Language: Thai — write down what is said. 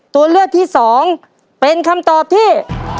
ตัวเลือกที่สองเป็นคำตอบที่